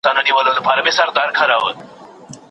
هغه له ډېر وخته راهیسې مطالعه کوي.